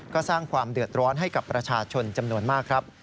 ก็สร้างความเดือดร้อนให้กับประชาชนจำนวนมากครับ